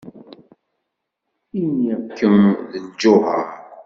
Iniɣ-kem d lǧuher.